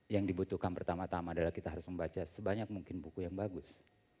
yang dibutuhkan pertama tama adalah kita harus membaca sebanyak mungkin buku yang bagus